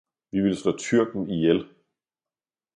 Vi vil slå tyrken ihjel.